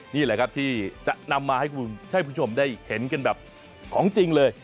นี่แหละครับที่จะนำมาให้คุณผู้ชมได้เห็นกันแบบของจริงเลย